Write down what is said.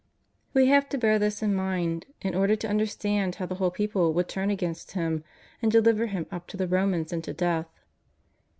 We have to bear this in mind in order to understand how the whole people could turn against Him and deliver Him up to the Ro mans and to death.